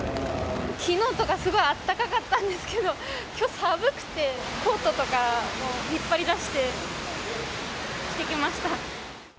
きのうとか、すごいあったかかったんですけど、きょう寒くて、コートとかもう引っ張り出して、着てきました。